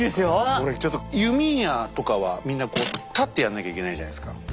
俺ちょっと弓矢とかはみんなこう立ってやんなきゃいけないじゃないですか。